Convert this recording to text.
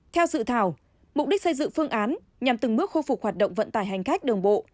theo sự thảo mục đích xây dựng phương án nhằm từng mức khôi phục hoạt động vận tải hành khách đồng bộ